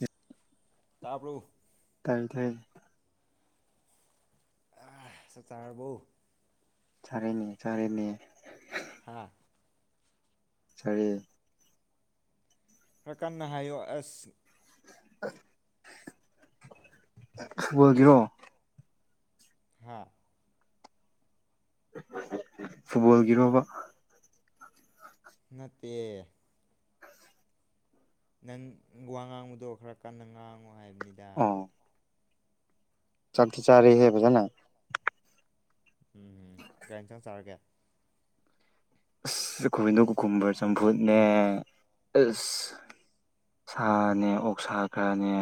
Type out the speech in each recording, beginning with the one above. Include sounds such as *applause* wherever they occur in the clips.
ꯎ ꯇꯥꯔꯕ꯭ꯔꯣ ꯇꯥꯏ ꯇꯥꯏ ꯆ ꯆꯥꯔꯕꯧ ꯔꯅꯤ ꯆꯔꯅꯤ ꯍꯥꯥ ꯆꯔꯦ ꯔꯀꯥꯟꯅ ꯍꯥꯏꯌꯣ ꯑꯦꯁ ꯐꯨꯠꯕꯣꯜꯒꯤꯔꯣ ꯍꯥꯥ ꯐꯨꯠꯕꯣꯜꯒꯤꯔꯣꯕ ꯅꯠꯇꯦ ꯅꯪ ꯋꯥ ꯉꯥꯡꯕꯗꯣ ꯈꯔ ꯀꯟꯅ ꯉꯥꯡꯉꯨ ꯍꯥꯏꯕꯅꯤꯗ ꯆꯠꯊ ꯆꯥꯔꯔꯤ ꯍꯦꯕꯖꯅ ꯎꯝꯝ ꯒꯥꯔꯤ ꯝꯇꯪ ꯆꯥꯔꯒꯦ ꯑ ꯀꯅꯨ ꯀꯨꯀꯨꯝꯕꯔ ꯆꯝꯐꯨꯠꯅꯦ ꯑꯁ ꯁꯥꯅꯦ ꯑꯣꯛ ꯁꯥ ꯈ꯭ꯔꯅꯦ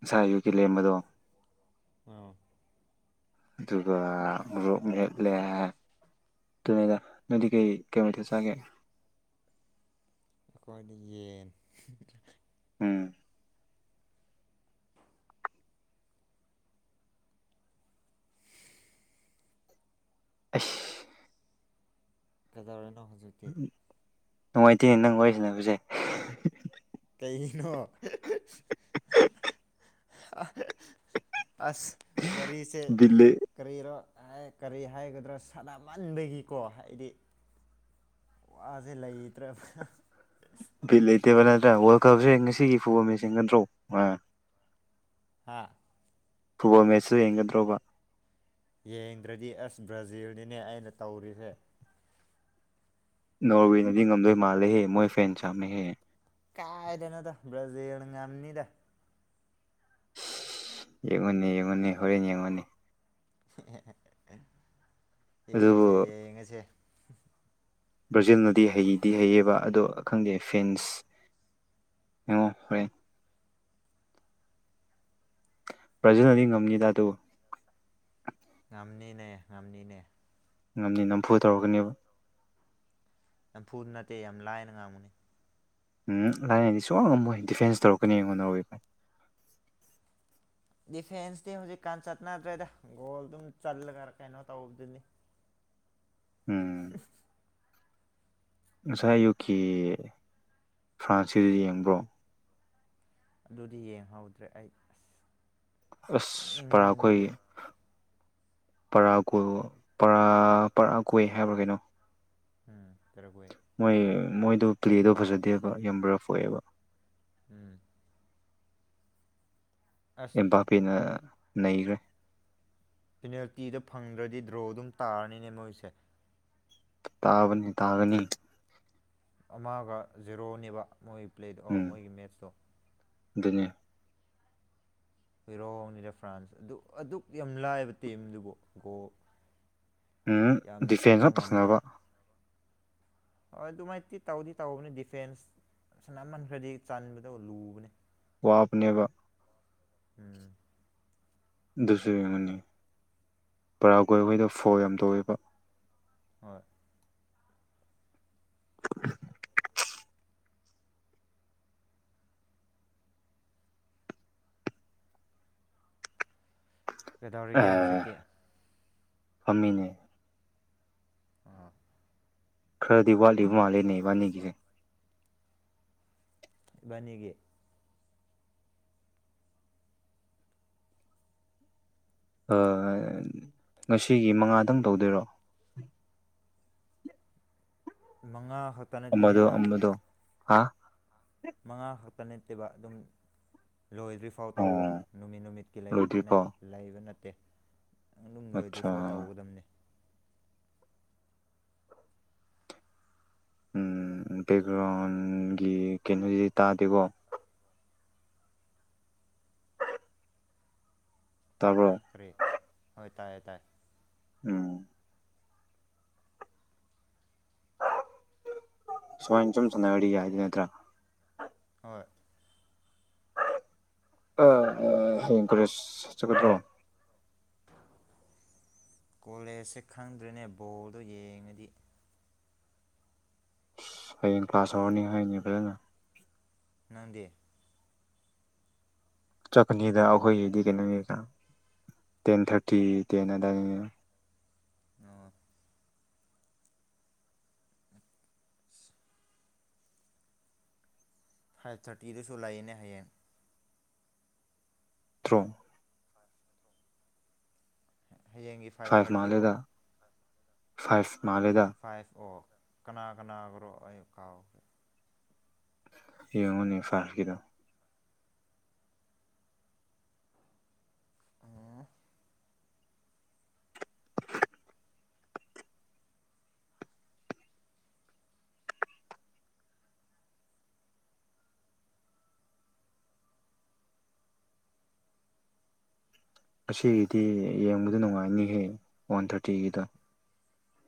ꯉꯁꯥꯏ ꯌꯨꯒꯤ ꯂꯦꯝꯕꯗꯣ ꯑ ꯑꯗꯨꯒ ꯃꯣꯛ ꯍꯦꯂꯦ ꯇꯗ ꯅꯗꯤ ꯀꯩ ꯀꯩꯃꯇ ꯆꯥꯒꯦ ꯑꯦꯀꯣꯗꯤ ꯌꯦꯟ ꯎꯝ ꯑꯁ ꯀꯗꯧꯔꯤꯅꯣ ꯍꯧꯖꯤꯛꯇꯤ ꯅꯨꯡꯉꯥꯏꯇꯦꯅꯦ ꯅꯪ ꯑꯣꯏꯁꯤꯅꯦꯕꯁꯦ ꯀꯅꯣ ꯑꯁ ꯑꯣꯏꯔꯤꯦ ꯕꯤꯠ ꯂꯩ ꯀꯔꯤꯔꯣ ꯀꯔꯤ ꯍꯥꯏꯒꯗ꯭ꯔꯥ ꯁꯥꯟꯅꯃꯟꯗꯒꯤꯀꯣ ꯍꯥꯏꯗꯤ ꯋꯥꯁꯦ ꯂꯩꯇ꯭ꯔꯦ ꯂꯩꯇꯦꯕ ꯅꯠꯇ꯭ꯔꯥ ꯋꯥꯔꯜ ꯀꯞꯁꯦ ꯉꯁꯤꯒꯤ ꯐꯨꯕ ꯃꯦꯤꯡ ꯅꯠꯇ꯭ꯔꯣ ꯑꯥ ꯍꯥ ꯐꯨꯠꯕꯣꯜ ꯃꯦꯠꯆꯁꯨ ꯌꯦꯡꯒꯗ꯭ꯔꯣꯕ ꯌꯦꯡꯗ꯭ꯔꯗꯤ ꯑꯁ ꯕ꯭ꯔꯥꯖꯤꯜꯅꯤꯅꯦ ꯑꯩꯅ ꯇꯧꯔꯤꯁꯦ ꯅꯣꯔꯋꯦꯅꯗꯤ ꯉꯝꯗꯣꯏ ꯃꯥꯜꯂꯦꯍꯦ ꯃꯣꯏ ꯐꯦꯟ ꯆꯥꯝꯃꯦꯍꯦ ꯀꯥꯏꯗꯅ ꯇ ꯭ꯔꯥꯖꯤꯜ ꯉꯝꯅꯤꯗ ꯏꯉꯣꯟꯅꯤ ꯏꯃꯣꯟꯅꯤ ꯍꯔꯅꯤꯃꯅꯤꯅꯤ ꯑꯗꯨꯕꯨ ꯌꯦꯡꯁꯦ ꯌꯦꯡꯉꯁꯦ ꯕ꯭ꯔꯥꯖꯤꯜꯅꯗꯤ ꯍꯩꯗꯤ ꯍꯩꯌꯦꯕ ꯑꯗꯣ ꯈꯪꯗꯦ ꯑꯦ ꯐꯦꯟꯁ ꯍ ꯍꯣꯏ ꯄ꯭ꯔꯖꯥ ꯅ ꯉꯝꯖꯤꯗ ꯇꯨ ꯅꯝꯅꯤꯅꯦ ꯅꯝꯅꯤꯅꯦ ꯉꯝꯅꯤ ꯅꯝꯐꯨ ꯇꯧꯔꯛꯀꯅꯦꯕ ꯌꯥꯝ ꯐꯨꯗ ꯅꯠꯇꯦ ꯌꯥꯝ ꯂꯥꯏꯅ ꯉꯥꯡꯕꯨꯅꯤ ꯎꯝ ꯂꯥꯏꯅꯗꯤ ꯁꯨꯡ ꯉꯝꯃꯣꯏ ꯗꯤꯐꯦꯟꯁ ꯇꯧꯔꯛꯀꯅꯤ ꯑꯩꯉꯣꯟꯅꯔꯋꯏ ꯗꯤꯐꯦꯟꯁꯇꯤ ꯍꯧꯖꯤꯛꯀꯥꯟ ꯆꯠꯅꯗ꯭ꯔꯦꯗ ꯒꯣꯜꯗꯨꯝ ꯆꯜꯂꯒ ꯀꯩꯅꯣ ꯇꯧꯕꯗꯨꯅꯤ ꯎꯝ *unintelligible* ꯉꯁꯥꯏ ꯑꯨꯀꯤꯦ ꯐ꯭ꯔꯥꯟꯁꯀꯤꯗ ꯌꯦꯡꯕ꯭ꯔꯣ ꯑꯗꯨꯗꯤ ꯌꯦꯡꯍꯧꯗ꯭ꯔꯦ ꯑꯩ ꯑꯁ ꯑꯁ ꯄꯔꯥꯈꯣꯏ ꯄꯔꯥ ꯄꯔ ꯄꯔꯥ ꯀꯣꯏ ꯍꯥꯏꯕ꯭ꯔꯥ ꯀꯩꯅꯣ ꯎꯝ ꯄꯦꯔꯥꯒ꯭ꯋꯦ ꯃꯣꯏ ꯃꯣꯏꯗꯣ ꯄ꯭ꯂꯦꯗꯣ ꯐꯖꯗꯦꯕ ꯌꯥꯝ ꯕꯐ ꯑꯣꯏꯑꯦꯕ ꯎꯝ ꯑꯁ ꯏꯝꯄꯥꯛꯄꯤꯅ ꯅꯩꯈ꯭ꯔꯦ ꯄꯦꯅꯦꯜꯇꯤꯗꯣ ꯐꯪꯗ꯭ꯔꯗꯤ ꯗ꯭ꯔꯣ ꯑꯗꯨꯝ ꯇꯥꯔꯅꯤꯅꯦ ꯃꯣꯏꯁꯦ ꯇꯥꯕꯅꯤ ꯇꯥꯒꯅꯤ ꯑꯃꯒ ꯖꯦꯔꯣꯅꯦꯕ ꯃꯣꯏꯒꯤ ꯄ꯭ꯂꯦꯗ ꯑꯣ ꯃꯣꯏꯒꯤ ꯃꯦꯠꯁꯇꯣ ꯑꯗꯨꯅꯌꯥ ꯌꯨꯔꯣꯞꯅꯤꯗ ꯐ꯭ꯔꯥꯟꯁ ꯑꯗꯨ ꯑꯗꯨꯛ ꯌꯥꯝ ꯂꯥꯏꯑꯕ ꯇꯤꯝꯗꯨꯕꯨ ꯒꯣ ꯎꯝ ꯗꯤꯐꯦꯟꯁ ꯉ ꯇꯧꯁꯤꯅꯕ ꯍꯣꯏ ꯑꯗꯨꯃꯥꯏꯇꯤ ꯇꯧꯗꯤ ꯇꯧꯕꯅꯤ ꯗꯤꯐꯦꯟꯁ ꯁꯅꯥꯃꯟꯈ꯭ꯔꯗꯤ ꯆꯟꯕꯗ ꯂꯨꯕꯅꯤ ꯋꯥꯞꯅꯦꯕ ꯎꯝ ꯑꯗꯨꯁꯨ ꯌꯦꯡꯉꯨꯅꯤ ꯄꯔꯥꯒꯣꯏ ꯑꯩꯈꯣꯏꯗ ꯐꯧ ꯌꯥꯝ ꯇꯧꯏꯦꯕ ꯍꯣꯏ *unintelligible* ꯀꯩꯗꯧꯔꯤꯒꯦ ꯑꯦ ꯍꯧꯖꯤꯛꯇꯤ ꯐꯝꯃꯤꯅꯦ ꯑ ꯈꯔꯗꯤ ꯋꯥꯠꯂꯤꯕ ꯃꯥꯜꯂꯦꯅꯦ ꯏꯕꯥꯅꯤꯒꯤꯁꯦ ꯕꯅꯤꯒꯤ ꯉꯁꯤꯒꯤ ꯃꯉꯥꯗꯪ ꯇꯧꯗꯣꯏꯔꯣ ꯃꯉꯥ ꯍꯛꯇ ꯅꯠꯇꯅꯦ ꯅꯪ ꯍꯥꯥ ꯃꯉꯥ ꯈꯛꯇ ꯅꯠꯇꯦꯕ ꯑꯗꯨꯝ ꯂꯣꯏꯗ꯭ꯔꯤꯐꯥꯎ ꯇꯧꯋ ꯑꯣ ꯅꯨꯃꯤꯠ ꯅꯨꯃꯤꯠꯀꯤ ꯂꯣꯏꯗ꯭ꯔꯤꯀꯣ ꯂꯩꯕ ꯅꯠꯇꯦ ꯅꯪ ꯂꯨꯝ ꯑꯠꯆꯥ ꯂꯣꯏꯗ꯭ꯔꯤꯐꯥꯎ ꯇꯧꯒꯗꯕꯅꯤ ꯎꯝ ꯕꯦꯛꯒ꯭ꯔꯥꯎꯟꯒꯤ ꯀꯩꯅꯣꯁꯤꯗꯤ ꯇꯥꯗꯦꯀꯣ ꯇꯥꯕ꯭ꯔꯣ ꯀꯔꯤ ꯍ ꯇꯥꯏ ꯇꯥꯏ ꯎꯝ ꯁꯨꯃꯥꯏꯅ ꯆꯨꯝ ꯁꯅꯔꯤ ꯍꯥꯏꯗꯨ ꯅꯠꯇ꯭ꯔꯥ ꯍꯣꯏ ꯑ ꯍꯡꯀꯔꯦ꯭ꯔꯣ ꯀꯣꯂꯦꯖꯁꯦ ꯈꯪꯗ꯭ꯔꯦꯅꯦ ꯕꯣꯜꯗꯣ ꯌꯦꯡꯉꯗꯤ ꯑꯁ ꯍꯌꯦꯡ ꯀ꯭ꯂꯥꯁ ꯍꯧꯔꯅꯤꯉꯩꯅꯤ ꯐꯖꯅ ꯅꯪꯗꯦ ꯆꯀꯅꯤꯗ ꯑꯩꯈꯣꯏꯒꯤꯗꯤ ꯀ ꯅꯪꯉꯀ ꯇꯦꯟ ꯊꯥꯔꯇꯤ ꯇꯦꯟ ꯑꯗꯥꯅꯤ ꯑꯣ ꯐꯥꯏꯚ ꯊꯥꯔꯇꯤꯗꯁꯨ ꯂꯩꯥꯏꯌꯦꯅꯦ ꯍꯌꯦꯡ ꯇ꯭ꯔꯣ ꯍꯌꯦꯡꯒꯤ ꯐꯥꯏꯚ ꯊꯥꯔꯇꯤꯔꯣ ꯐꯥꯏꯚ ꯃꯥꯜꯂꯦꯗ ꯐꯥꯏꯚ ꯑꯣ ꯀꯅꯥ ꯀꯅꯥꯒ꯭ꯔꯣ ꯑꯩ ꯀꯥꯎꯒꯦ ꯏꯉꯉꯅꯤ ꯐꯔ ꯀꯗ ꯑꯣ ꯉꯗꯤ ꯌꯦꯡꯕꯗ ꯅꯨꯡꯉꯥꯏꯅꯤꯍꯦ ꯋꯥꯟ ꯊꯥꯔꯇꯤꯒꯤꯗꯣ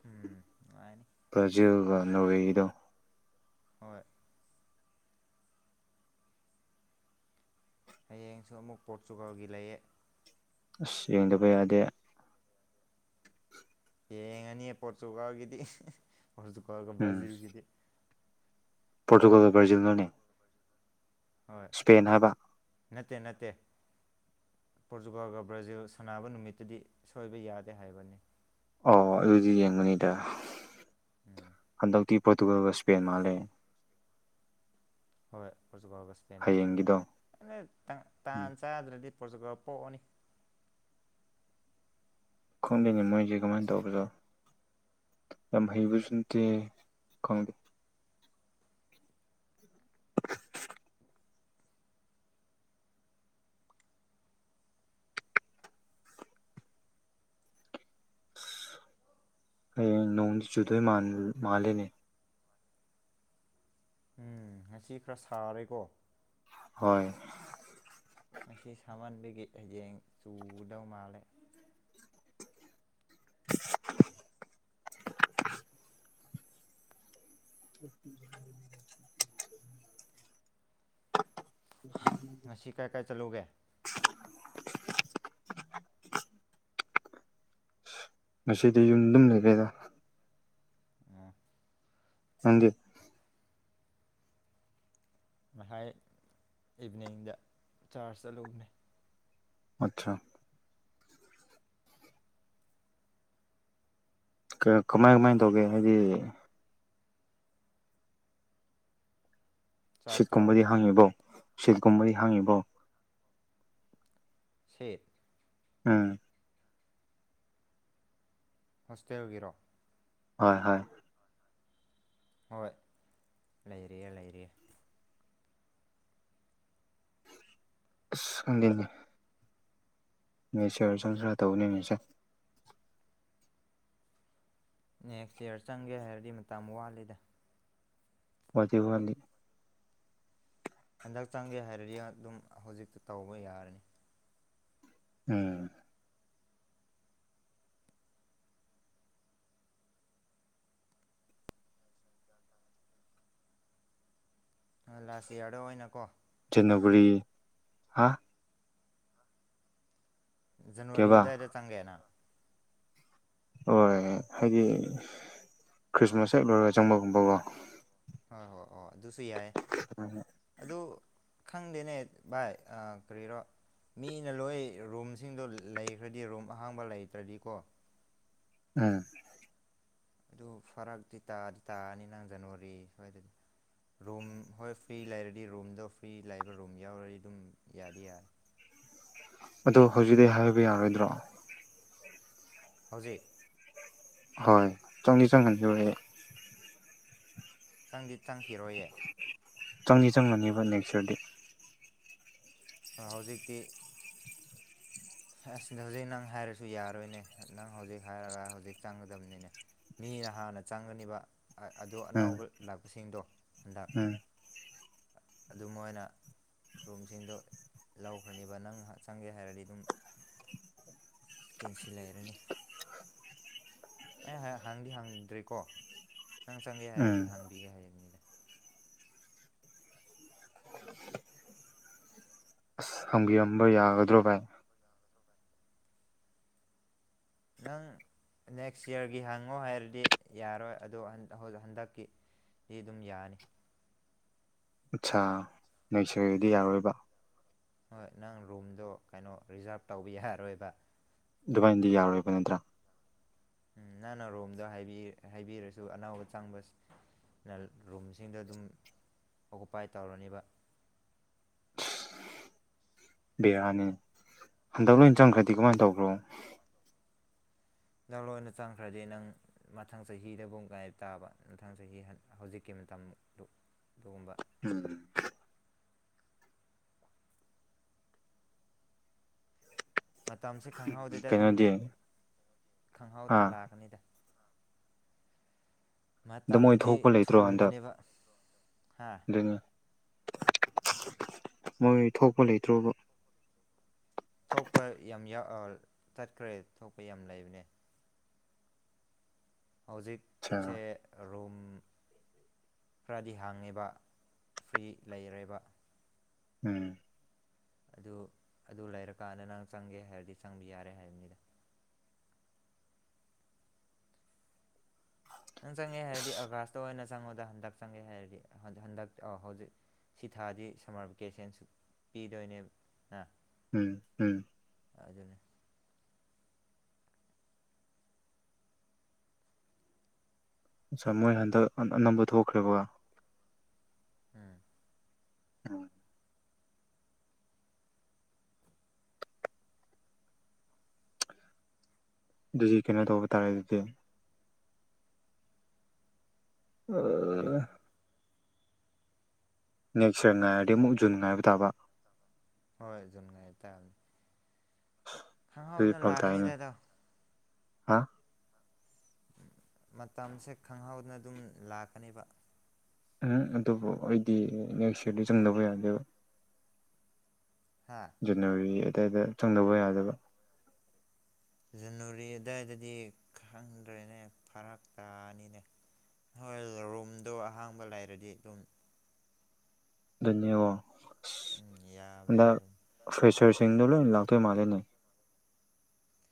ꯎꯝ ꯅꯨꯡꯉꯥꯏꯅꯤ ꯄꯖꯒ ꯅꯋꯩꯗ ꯍꯣꯏ ꯍꯌꯦꯡꯁꯨ ꯑꯃꯨꯛ ꯄꯣꯔꯇꯨꯒꯥꯜꯒꯤ ꯂꯩꯌꯦ ꯑꯁ ꯌꯦꯡꯗꯕ ꯌꯥꯗꯦ ꯌꯦꯡꯉꯅꯤꯌꯦ ꯄꯣꯣꯔꯆꯨꯀꯥꯥꯎꯒꯤꯗꯤ ꯄꯆꯨꯀꯒ ꯕ꯭ꯔꯥꯖꯤꯜꯒꯤꯗꯤ ꯄꯣꯣꯔꯇꯨꯒꯜꯗ ꯭ꯔꯔꯖꯜꯅꯅꯤ ꯍꯣꯏ ꯅꯠꯇꯦ ꯅꯠꯇꯦ ꯄꯣꯔꯇꯨꯒꯥꯜꯒ ꯕ꯭ꯔꯥꯖꯤꯜ ꯁꯥꯟꯅꯕ ꯅꯨꯃꯤꯠꯇꯗꯤ ꯁꯣꯏꯕ ꯌꯥꯗꯦ ꯍꯥꯏꯕꯅꯤ ꯑꯣ ꯑꯗꯨꯗꯤ ꯌꯦꯡꯕꯅꯤꯗ ꯎꯝ ꯍꯟꯗꯛꯇꯤ ꯄꯣꯣꯔꯇꯨꯒꯜ ꯋꯥ ꯁꯄꯦꯟ ꯃꯥꯂꯦ ꯍꯣꯏ ꯍꯧꯖꯤꯛ ꯐꯥꯎꯕ ꯁ꯭ꯄꯦꯟ ꯇꯧꯔꯅꯤ ꯑ ꯇꯥꯟ ꯆꯥꯗ꯭ꯔꯗꯤ ꯖꯒꯥ ꯄꯣꯛꯅꯤ ꯈꯣꯂꯤꯉ ꯃꯣꯏꯁꯦ ꯀꯃꯥꯏꯅ ꯇꯧꯕꯗꯣ ꯌꯥꯝ ꯍꯩꯕꯁꯨꯟꯇꯦ ꯈꯪꯗꯦ ꯍꯌꯦꯡ ꯅꯣꯡꯗꯤ ꯆꯨꯗꯣꯏ ꯃꯥꯜꯂꯤꯅꯦ ꯎꯝ ꯉꯁꯤ ꯈꯔ ꯁꯥꯔꯦꯀꯣ ꯍꯣꯏ ꯉꯁꯤ ꯁꯥꯃꯟꯕꯒꯤ ꯍꯌꯦꯡ ꯆꯨꯗꯧ ꯃꯥꯜꯂꯦ *unintelligible* ꯎ ꯉꯁꯤ ꯀꯥꯏ ꯀꯥꯏ ꯆꯂꯧꯒꯦ ꯉꯁꯤꯗꯤ ꯌꯨꯝ ꯑꯗꯨꯝ ꯂꯩꯈꯩꯗ ꯎꯝ ꯊꯪꯖꯦ ꯉꯥꯏ ꯏꯚꯤꯅꯤꯡꯗ ꯆꯥꯔꯖ ꯆꯠꯂꯨꯅꯦ ꯑꯆꯥ ꯀꯃꯥꯏ ꯀꯃꯥꯏ ꯇꯧꯒꯦ ꯍꯥꯏꯗꯤ ꯆꯥꯔꯖꯇꯔꯣ ꯁꯤꯠꯀꯨꯝꯕꯗꯤ ꯍꯥꯡꯉꯤꯕꯣ ꯁꯤꯠꯀꯨꯝꯕꯗꯤ ꯍꯥꯡꯉꯤꯕꯣ ꯁ ꯑꯝ ꯍꯣꯁꯇꯦꯜꯒꯤꯔꯣ ꯍꯣꯏ ꯍꯣꯏ ꯍꯣꯏ ꯂꯩꯔꯤꯑ ꯂꯩꯔꯤꯑꯦ ꯑꯗꯤ ꯃꯤ ꯁꯤꯔ ꯁꯪꯁꯔ ꯇꯧꯕꯅꯤ ꯃꯤꯁꯦ ꯅꯦꯛꯁ ꯏꯌꯥꯔ ꯆꯪꯒꯦ ꯍꯥꯏꯔꯗꯤ ꯃꯇꯝ ꯋꯥꯠꯂꯤꯦꯗ ꯋꯥꯖꯤꯕꯂꯤ ꯍꯟꯗꯛꯆꯥꯡꯒꯤ ꯍꯥꯏꯔꯗꯤ ꯑꯗꯨꯝ ꯍꯧꯖꯤꯛꯇ ꯇꯧꯕ ꯌꯥꯔꯅꯤ ꯎꯝ ꯑ ꯂꯁꯤ ꯌꯥꯗꯣ ꯑꯣꯏꯅꯀꯣ ꯅꯒꯔꯤ ꯍꯥ ꯖꯅꯋꯥꯔꯤ ꯀꯦꯕꯥ ꯑꯗꯨꯗꯥꯏꯗ ꯆꯪꯒꯦꯅ ꯍꯣꯏ ꯍꯥꯏꯗꯤ ꯈ꯭ꯔꯤꯁꯃꯥꯁ ꯍꯦꯛ ꯂꯣꯏꯔꯒ ꯆꯪꯕꯒꯨꯝꯕꯀꯣ ꯍꯣꯏ ꯍꯣꯏ ꯍꯣꯏ ꯑꯗꯨꯁꯨ ꯌꯥꯏ ꯑꯗꯨ ꯈꯪꯗꯦꯅꯦ ꯚꯥꯏ ꯀꯔꯤꯔꯣ ꯃꯤꯅ ꯂꯣꯏ ꯔꯨꯝꯁꯤꯡꯗꯣ ꯂꯩꯈ꯭ꯔꯗꯤ ꯔꯨꯝ ꯑꯍꯥꯡꯕ ꯂꯩꯇ꯭ꯔꯗꯤꯀꯣ ꯑꯝ ꯑꯗꯨ ꯐꯔꯛꯇꯤ ꯇꯥꯗꯤ ꯇꯥꯑꯅꯤ ꯅꯪ ꯖꯅꯋꯥꯔꯤ ꯁ꯭ꯋꯥꯏꯗꯗꯤ ꯔꯨꯝ ꯍꯣꯏ ꯐ꯭ꯔꯤ ꯂꯩꯔꯗꯤ ꯔꯨꯝꯗꯣ ꯐ꯭ꯔꯤ ꯂꯩꯕ ꯔꯨꯝ ꯌꯥꯎꯔꯗꯤ ꯑꯗꯨꯝ ꯌꯥꯗꯤ ꯌꯥꯔꯦ ꯑꯗꯨ ꯍꯧꯖꯤꯛꯇꯗꯤꯤ ꯍꯥꯏꯕ ꯌꯥꯔꯣꯏꯗ꯭ꯔꯣ ꯍꯧꯖꯤꯛ ꯍꯣꯏ ꯆꯪꯅꯤ ꯆꯪꯍꯟꯕꯤꯕ ꯆꯪꯗꯤ ꯆꯪꯈꯤꯔꯣꯏꯌꯦ ꯆꯪꯅꯤ ꯆꯪꯉꯅꯦꯕ ꯅꯦꯛꯁ ꯌꯔꯗꯤ ꯍꯧꯖꯤꯛꯇꯤ ꯑꯁꯗ ꯍꯧꯖꯤꯛ ꯅꯪ ꯍꯥꯏꯔꯁꯨ ꯌꯥꯔꯣꯏꯅꯦ ꯅꯪ ꯍꯧꯖꯤꯛ ꯍꯥꯏꯔꯒ ꯍꯧꯖꯤꯛ ꯆꯪꯒꯗꯕꯅꯤꯅꯦ ꯃꯤꯅ ꯍꯥꯟꯅ ꯆꯪꯒꯅꯤꯕ ꯑꯗꯨꯣ ꯎꯝ ꯑꯅꯧꯕ ꯂꯥꯛꯄꯁꯤꯡꯗꯣ ꯍꯟꯗꯛ ꯎꯝ ꯑꯗꯨ ꯃꯣꯏꯅ ꯔꯨꯝꯁꯤꯡꯗꯣ ꯂꯧꯈ꯭ꯔꯅꯦꯕ ꯅꯪ ꯉꯥꯏꯍꯥꯛ ꯆꯪꯒꯦ ꯍꯥꯏꯔꯗꯤ ꯑꯗꯨꯝ ꯀꯦꯟꯁꯤꯜ ꯍꯥꯏꯔꯅꯤ ꯑꯦ ꯍꯪꯗꯤ ꯍꯥꯡꯗ꯭ꯔꯦꯀꯣ ꯅꯪ ꯆꯪꯒꯦ ꯎꯝ ꯍꯥꯏꯔꯗꯤ ꯍꯥꯡꯕꯤꯒꯦ ꯍꯥꯏꯔꯅꯦ ꯍꯪꯕꯤꯔꯝꯕ ꯌꯥꯒꯗ꯭ꯔꯣ ꯚꯥꯏ ꯅꯪ ꯅꯦꯛꯁ ꯏꯌꯥꯔꯒꯤ ꯍꯪꯉꯣ ꯍꯥꯏꯔꯗꯤ ꯌꯥꯔꯣꯏ ꯑꯗꯨꯗ ꯍꯟꯗꯛꯀꯤ ꯑꯩ ꯑꯗꯨꯝ ꯌꯥꯅꯤ ꯑꯠꯆꯥꯥ ꯅꯩꯁꯔꯒꯗꯤ ꯌꯥꯔꯣꯏꯕ ꯍꯣꯏ ꯅꯪ ꯔꯨꯝꯗꯣ ꯀꯩꯅꯣ ꯔꯤꯖꯥꯞ ꯇꯧꯕ ꯌꯥꯔꯣꯏꯕ ꯗꯨꯕꯥꯏꯅꯗꯤ ꯌꯥꯔꯣꯏꯕ ꯅꯠꯇ꯭ꯔꯥ ꯎꯝ ꯅꯪꯅ ꯔꯣꯝꯗ ꯍꯥꯏꯕꯤꯔꯁꯨ ꯑꯅꯧꯕ ꯆꯪꯕꯁ ꯅ ꯔꯨꯝꯁꯤꯡꯗ ꯑꯗꯨꯝ ꯑꯣꯀꯨꯄꯥꯏ ꯇꯧꯔꯅꯦꯕ ꯕꯤꯔꯅꯤ ꯍꯟꯗꯛ ꯂꯣꯏ ꯆꯪꯈ꯭ꯔꯗꯤ ꯀꯃꯥꯏꯅ ꯇꯧꯕ꯭ꯔꯣ ꯅꯪ ꯂ ꯑꯣꯏꯅ ꯆꯪꯈ꯭ꯔꯗꯤ ꯅꯪ ꯃꯊꯪ ꯆꯍꯤꯗꯕꯨ ꯉꯥꯏꯞ ꯇꯥꯕ ꯃꯊꯪ ꯆꯍꯤ ꯍꯧꯖꯤꯛꯀꯤ ꯃꯇꯝꯗꯨ ꯑꯗꯨꯒꯨꯝꯕ ꯎꯝ ꯃꯇꯝꯁꯦ ꯈꯪꯍꯧꯗꯗ ꯑꯗꯨꯝ ꯀꯩꯅꯣꯗꯤ ꯑꯥ ꯈꯪꯍꯧꯗꯅ ꯂꯥꯛꯀꯅꯤꯗ ꯑꯗ ꯃꯣꯏ ꯃꯇꯝꯗꯤ ꯊꯣꯛꯄ ꯂꯩꯇ꯭ꯔꯣ ꯍꯟꯗꯛ ꯊꯨꯕꯅꯦꯕ ꯍꯥ ꯑꯗꯨꯅꯤ ꯃꯣꯏ ꯊꯣꯛꯄ ꯂꯩꯇ꯭ꯔꯣꯕ ꯊꯣꯛꯄ ꯌꯥꯝ ꯆꯠꯈ꯭ꯔꯦ ꯊꯣꯛꯄ ꯌꯥꯝ ꯂꯩꯕꯅꯦ ꯑꯠꯁꯥ ꯍꯧꯖꯤꯛꯁꯦ ꯔꯨꯝ ꯈꯔꯗꯤ ꯍꯥꯡꯉꯦꯕ ꯐ꯭ꯔꯤ ꯂꯩꯔꯦꯕ ꯎꯝ ꯑꯗꯨ ꯑꯗꯨ ꯂꯩꯔꯀꯥꯟꯗ ꯅꯪ ꯆꯪꯒꯦ ꯍꯥꯏꯔꯗꯤ ꯆꯪꯕ ꯌꯥꯔꯦ ꯍꯥꯏꯕꯅꯤꯗ ꯅꯪ ꯆꯪꯉꯦ ꯍꯥꯏꯔꯗꯤ ꯑꯁ ꯑꯒꯥꯁꯇ ꯑꯣꯏꯅ ꯆꯪꯉꯨꯗ ꯍꯟꯗꯛ ꯆꯪꯉꯦ ꯍꯥꯏꯔꯗꯤ ꯍꯟꯗꯛ ꯍꯧꯖꯤꯛ ꯁꯤ ꯊꯥꯗꯤ ꯁꯝꯃꯔ ꯚꯦꯀꯦꯁꯟꯁꯨ ꯄꯤꯗꯣꯏꯅꯦꯕ ꯅ ꯎꯝ ꯎꯝ ꯑꯖꯅꯤ ꯑ ꯃꯣꯏ ꯍꯟꯗꯛ ꯑꯅꯝꯕ ꯊꯣꯛꯈ꯭ꯔꯦꯕ ꯎꯝ ꯎꯝ ꯑꯗꯨꯗꯤ ꯀꯩꯅꯣ ꯇꯧꯕ ꯇꯥꯔꯦ ꯑꯗꯨꯗꯤ ꯑꯦ ꯅꯦꯛꯁꯔ ꯉꯥꯏꯔꯗꯤ ꯑꯃꯨꯛ ꯖꯨꯟ ꯉꯥꯏꯕ ꯇꯥꯕ ꯍꯣꯏꯖꯣꯟꯒꯥꯏ ꯇ ꯍꯪꯉꯥꯎ ꯑꯗꯨꯗꯤ ꯑꯗꯨꯅ ꯐꯔꯛ ꯇꯥꯏꯅꯦ ꯂꯥꯛꯥꯛꯅꯤꯗꯗꯣ ꯍꯥ ꯃꯇꯝꯁꯦ ꯈꯪꯍꯧꯗꯅ ꯑꯗꯨꯝ ꯂꯥꯛꯀꯅꯦꯕ ꯎꯝ ꯑꯗꯨꯕꯨ ꯑꯩꯗꯤ ꯅꯦꯛꯁ ꯏꯌꯥꯔꯗꯤ ꯆꯪꯗꯕ ꯌꯥꯗꯦꯕ ꯍꯥ ꯖꯅꯋꯥꯔꯤ ꯑꯗꯨꯋꯥꯏꯗ ꯆꯪꯗꯧꯕ ꯌꯥꯗꯕ ꯖꯅꯋꯥꯔꯤ ꯑꯗꯨꯋꯥꯏꯗꯗꯤ ꯈꯪꯗ꯭ꯔꯦꯅꯦ ꯐꯔꯛ ꯇꯥꯅꯤꯅꯦ ꯍꯣꯏ ꯔꯨꯝꯗꯣ ꯑꯍꯥꯡꯕ ꯂꯩꯔꯗꯤ ꯑꯗꯨꯝ ꯅꯤ ꯋꯥꯣ ꯑꯁ ꯎꯝ ꯌꯥꯕꯅꯦ ꯍꯟꯗꯛ ꯑꯗꯨꯝ ꯐ꯭ꯔꯦꯁꯔꯁꯤꯡꯗꯣ ꯂꯣꯏ ꯂꯥꯛꯇꯣꯏ ꯃꯥꯜꯜꯂꯤꯦꯅꯦ